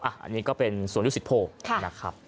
อันนี้ก็เป็นส่วนยุทธิภูมินะครับ